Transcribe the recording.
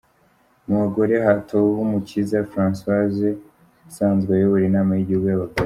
Mu bagore hatowe Uwumukiza Françoise usanzwe ayobora inama y’Igihugu y’Abagore.